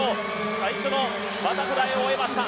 最初のバタフライを終えました。